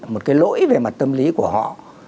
một cái lỗi về mặt tâm lý của họ